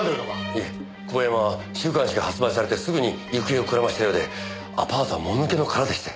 いえ久保山は週刊誌が発売されてすぐに行方をくらましたようでアパートはもぬけの殻でして。